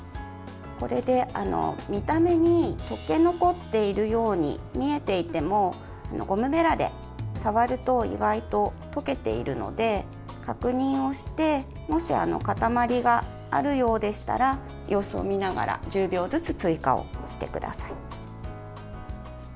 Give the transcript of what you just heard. これで、見た目に溶け残っているように見えていても、ゴムべらで触ると意外と溶けているので確認をしてもし塊があるようでしたら様子を見ながら１０秒ずつ追加をしてください。